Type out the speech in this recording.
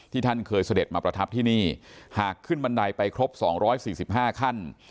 ท่านเคยเสด็จมาประทับที่นี่หากขึ้นบันไดไปครบ๒๔๕ขั้น